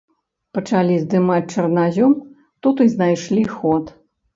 Пачалі здымаць чарназём, тут і знайшлі ход.